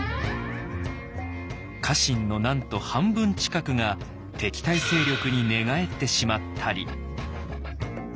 家臣のなんと半分近くが敵対勢力に寝返ってしまったり。